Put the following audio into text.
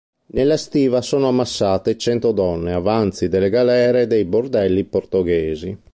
Nella stiva sono ammassate cento donne avanzi delle galere e dei bordelli portoghesi.